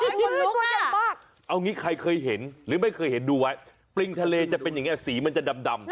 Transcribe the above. เอาอย่างงี้ใครเคยเห็นดูไว้ปริงทะเลจะเป็นอะไรอ่ะสีมันจะดำ